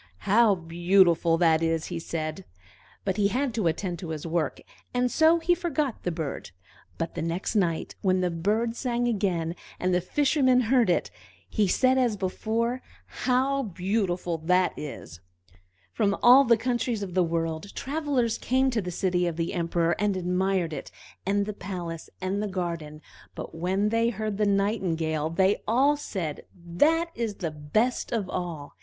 "How beautiful that is!" he said; but he had to attend to his work, and so he forgot the bird. But the next night, when the bird sang again, and the Fisherman heard it, he said as before, "How beautiful that is!" From all the countries of the world travelers came to the city of the Emperor, and admired it, and the palace, and the garden; but when they heard the Nightingale, they all said, "That is the best of all!"